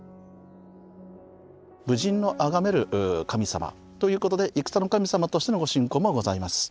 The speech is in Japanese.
武人のあがめる神様ということで戦の神様としてのご信仰もございます。